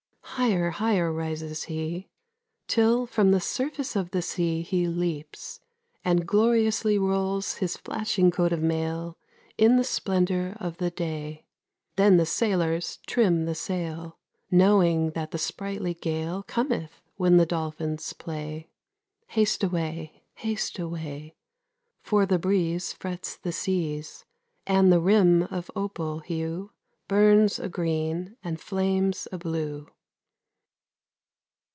Higher, higher rises he, Till from the surface of the sea He leaps, and gloriously Rolls his flashing coat of mail In the splendor of the day. Then the sailors trim the sail, Knowing that the sprightly gale Cometh when the dolphins play. Haste away! Haste away! For the breeze Frets the seas, And the rim of opal hue Burns a green and flames a blue.